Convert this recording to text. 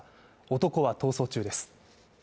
男は逃走中です。